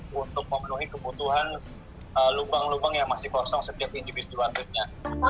kita mau menuhi kebutuhan lubang lubang yang masih kosong setiap individu artinya